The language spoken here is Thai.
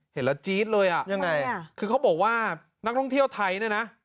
เห็นแล้วจี๊ดเลยอ่ะยังไงคือเขาบอกว่านักท่องเที่ยวไทยเนี่ยนะ